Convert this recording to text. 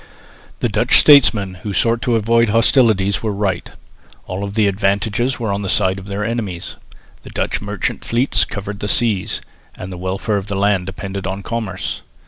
The Dutch statesmen who sought to avoid hostilities were right. All the advantages were on the side of their enemies. The Dutch merchant fleets covered the seas, and the welfare of the land depended on commerce.